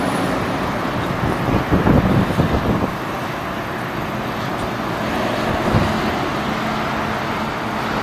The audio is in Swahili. kope za macho kulegeaNini madhara ya matumizi ya muda mrefu ya heroin